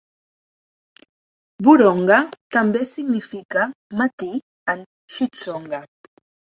"Vurhonga" també significa "matí" en Xitsonga.